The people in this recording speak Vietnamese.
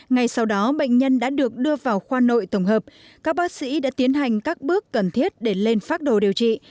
ngay sau đó bệnh nhân đã được đưa vào khoa nội tổng hợp các bác sĩ đã tiến hành các bước cần thiết để lên phác đồ điều trị